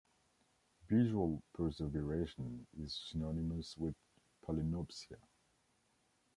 Visual perseveration is synonymous with palinopsia.